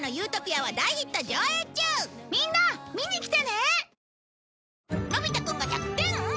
みんな見に来てね！